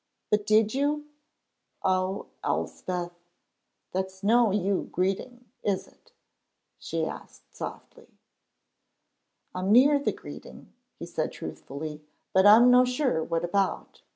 "But did you?" "Oh, Elspeth!" "That's no you greeting, is it?" she asked, softly. "I'm near the greeting," he said truthfully, "but I'm no sure what about."